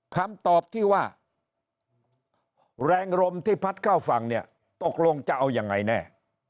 คำตอบที่ว่าแรงลมที่พัดเข้าฝั่งเนี่ยตกลงจะเอายังไงแน่